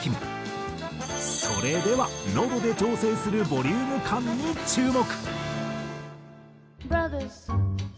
それでは喉で調整するボリューム感に注目。